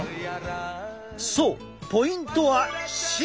そうポイントは芯！